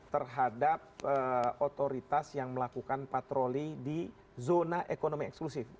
terhadap otoritas yang melakukan patroli di zona ekonomi eksklusif